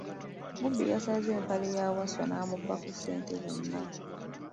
Omubbi yasaze empale ya Wasswa n’amubbako ssente zonn.